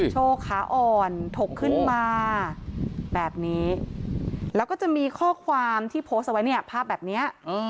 โชว์ขาอ่อนถกขึ้นมาแบบนี้